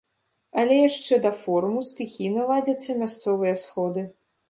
Але яшчэ да форуму стыхійна ладзяцца мясцовыя сходы.